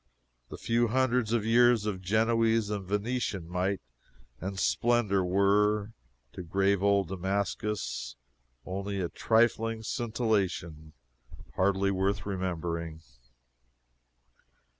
The few hundreds of years of Genoese and Venetian might and splendor were, to grave old Damascus, only a trifling scintillation hardly worth remembering.